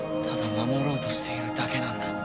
ただ守ろうとしているだけなんだ。